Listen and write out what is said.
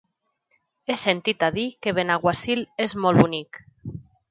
He sentit a dir que Benaguasil és molt bonic.